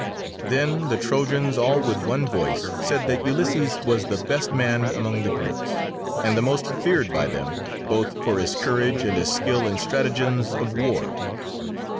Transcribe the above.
Then the Trojans all with one voice said that Ulysses was the best man among the Greeks, and the most feared by them, both for his courage and his skill in stratagems of war.